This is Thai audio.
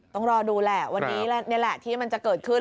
ต้องรอดูแหละวันนี้นี่แหละที่มันจะเกิดขึ้น